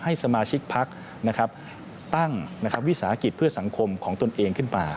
ให้สมาชิกพักตั้งวิสาหกิจเพื่อสังคมของตนเองขึ้นมา